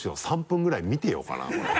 ３分ぐらい見てようかなこれ。